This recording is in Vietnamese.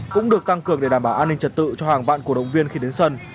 cũng được tăng cường để đảm bảo an ninh trật tự cho hàng vạn cổ động viên khi đến sân